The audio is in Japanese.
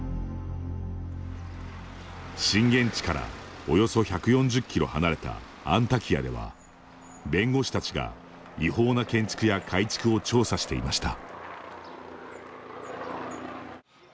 震源地から、およそ１４０キロ離れたアンタキヤでは弁護士たちが、違法な建築や改築を調査していました。